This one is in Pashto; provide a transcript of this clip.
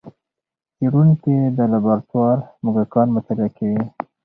څېړونکي د لابراتوار موږکان مطالعه کوي.